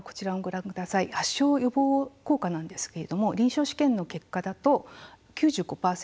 発症予防効果なんですが臨床試験の結果だと９５％